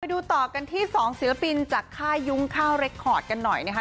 ดูต่อกันที่๒ศิลปินจากค่ายยุ้งข้าวเรคคอร์ดกันหน่อยนะคะ